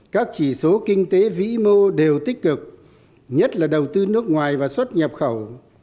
các chỉ số kinh tế vĩ mô đều tích cực nhất là đầu tư nước ngoài và xuất nhập khẩu